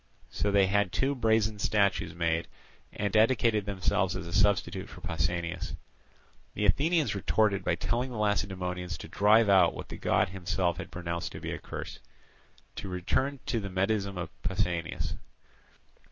So they had two brazen statues made, and dedicated them as a substitute for Pausanias. The Athenians retorted by telling the Lacedaemonians to drive out what the god himself had pronounced to be a curse. To return to the Medism of Pausanias.